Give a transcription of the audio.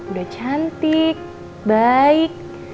udah cantik baik